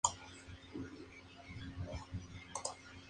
Él no tiene que estar a la defensiva, o preocupado por sus detractores.